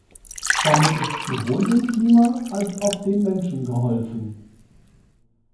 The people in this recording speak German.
Damit ist sowohl dem Klima als auch den Menschen geholfen.